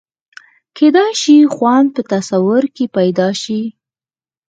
کېدای شي خوند په تصور کې پیدا شي.